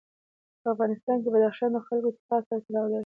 په افغانستان کې بدخشان د خلکو د اعتقاداتو سره تړاو لري.